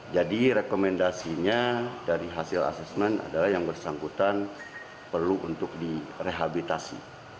rekomendasinya dari hasil asesmen adalah yang bersangkutan perlu untuk direhabilitasi